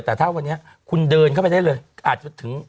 แต่ถ้าวันนี้คุณเดินเข้าไปได้เลยอาจจะถึง